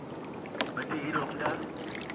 Me ti i llong nda